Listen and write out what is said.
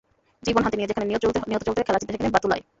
জীবন হাতে নিয়ে যেখানে নিয়ত চলতে হয়, খেলার চিন্তা সেখানে বাতুলতাই।